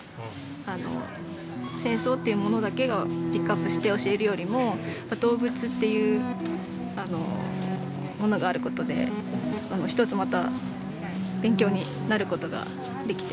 あの戦争っていうものだけをピックアップして教えるよりも動物っていうあのものがあることでそのひとつまた勉強になることができて。